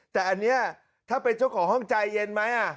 แต่อันนี้ถ้าเป็นเจ้าของห้องใจเย็นไหม